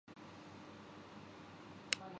ان کی زبان و بیان کی خاص خوبی یہی تشبیہات ہی